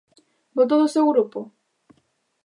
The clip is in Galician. ¿Voto do seu grupo?